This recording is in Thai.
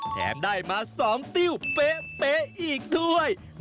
แถมได้มาสองติ้วเป๊ะอีกทุกอย่าง